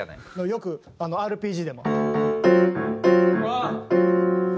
よくＲＰＧでも。